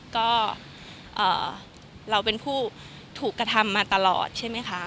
ก็เราเป็นผู้ถูกกระทำมาตลอดใช่ไหมคะ